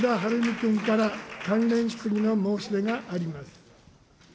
君から、関連質疑の申し出があります。